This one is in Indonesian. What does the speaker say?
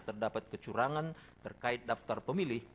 terdapat kecurangan terkait daftar pemilih